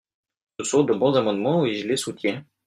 Ce sont de bons amendements et je les soutiens.